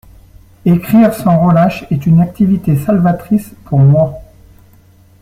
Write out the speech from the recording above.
Écrire sans relâche est une activité salvatrice pour moi.